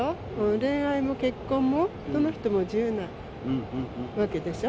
恋愛も結婚も、どの人も自由なわけでしょ。